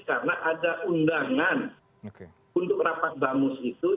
karena ada undangan untuk rapat bamus itu